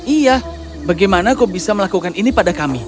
iya bagaimana kau bisa melakukan ini pada kami